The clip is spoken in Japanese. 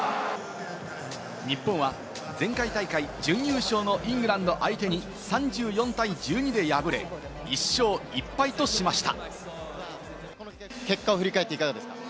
日本は前回大会準優勝のイングランド相手に３４対１２で敗れ、１勝１敗としました。